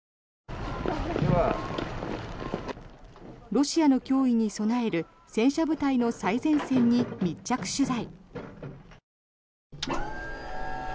ロシアの脅威に備える戦車部隊の最前線に密着取材。